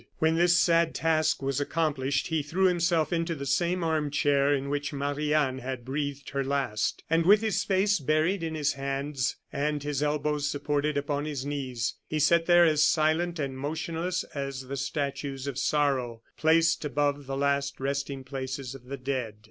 When this sad task was accomplished, he threw himself into the same arm chair in which Marie Anne had breathed her last, and with his face buried in his hands, and his elbows supported upon his knees, he sat there as silent and motionless as the statues of sorrow placed above the last resting places of the dead.